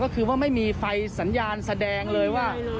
ก็คือว่าไม่มีไฟสัญญาณแสดงเลยว่า